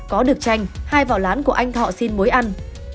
có được chanh hai vào lán của anh thọ xin muối ăn